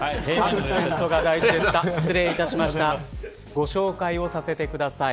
ご紹介させてください。